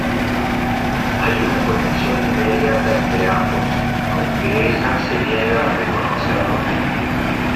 Hay una conexión inmediata entre ambos, aunque ella se niega a reconocerlo.